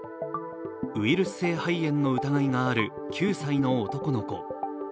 ウイルス性肺炎の疑いがある９歳の男の子。